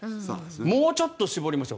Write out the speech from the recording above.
もうちょっと絞りましょう。